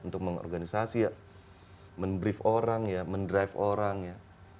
untuk mengorganisasi ya men brief orang ya mendrive orang ya